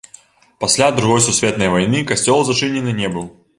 Пасля другой сусветнай вайны касцёл зачынены не быў.